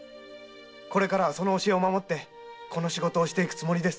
これからはその教えを守ってこの仕事をしていくつもりです。